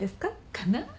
かな？